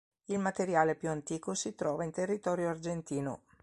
Il materiale più antico si trova in territorio argentino.